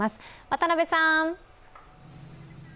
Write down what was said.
渡部さん。